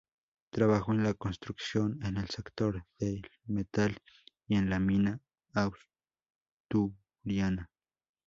Trabajó en la construcción, en el sector del metal y en la mina asturiana.